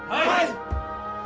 はい！